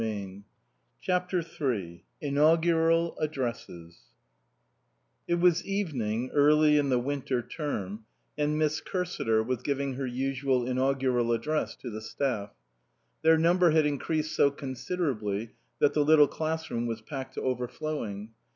217 CHAPTER III INAUGURAL ADDRESSES IT was evening, early in the winter term, and Miss Cursiter was giving her usual in augural address to the staff. Their number had increased so considerably that the little class room was packed to overflowing.